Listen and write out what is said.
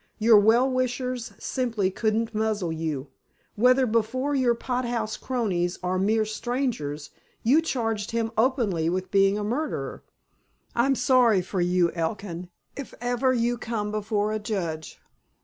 Your well wishers simply couldn't muzzle you. Whether before your pot house cronies or mere strangers, you charged him openly with being a murderer. I'm sorry for you, Elkin, if ever you come before a judge.